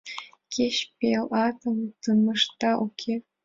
— Кеч пел атым темышда, уке?